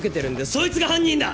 そいつが犯人だ！